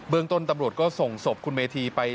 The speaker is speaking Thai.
ต้นตำรวจก็ส่งศพคุณเมธีไป